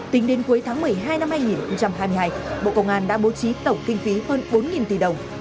tính đến cuối tháng một mươi hai năm hai nghìn hai mươi hai bộ công an đã bố trí tổng kinh phí hơn bốn tỷ đồng